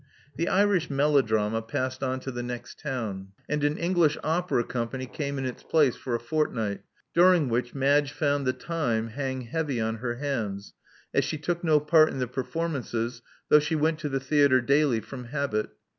The Irish melodrama passed onto the next town; and an English opera company came in its place for a fortnight, during which Madge found the time hang heavy on her hands, as she took no part in the per formances, though she went to the theatre daily from habit.